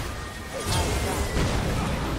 Au, va!